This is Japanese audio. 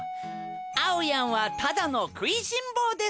あおやんはただのくいしんぼうです。